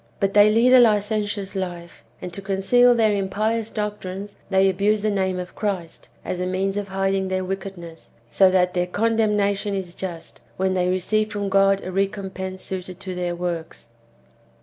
But they lead a licentious life,^ and, to conceal their impious doctrines, they abuse the name [of Christ], as a means of hiding their wickedness ; so that " their condemnation is just," ^ when they receive from God a recompense suited to their works.